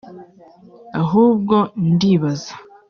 ahubwo ndibaza